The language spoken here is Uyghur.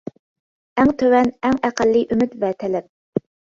ئەڭ تۆۋەن، ئەڭ ئەقەللىي ئۈمىد ۋە تەلەپ.